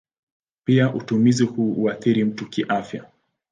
Pia utumizi huu huathiri mtu kiafya.